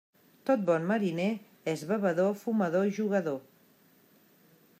Tot bon mariner és bevedor, fumador i jugador.